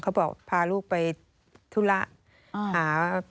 เขาบอกพาลูกไปทุละ